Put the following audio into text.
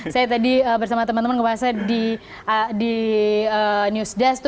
saya tadi bersama teman teman ngebahasa di news desk